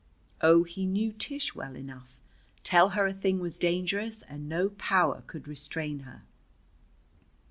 Oh, he knew Tish well enough. Tell her a thing was dangerous, and no power could restrain her.